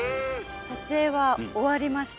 撮影は終わりました。